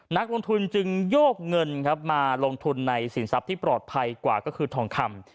นักลงทุนจึงโยกเงินครับมาลงทุนในสินทรัพย์ที่ปลอดภัยกว่าก็คือทองคำ